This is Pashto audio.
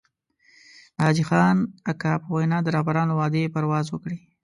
د حاجي خان اکا په وينا د رهبرانو وعدې پرواز وکړي.